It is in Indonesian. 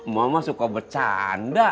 mama suka bercanda